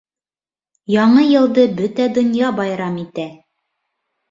Яңы йылды бөтә донья байрам иттә